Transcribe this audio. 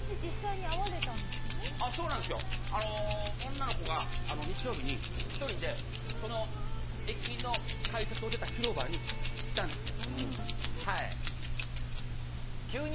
女の子が日曜日に１人でその駅の改札を出た広場に来たんですね。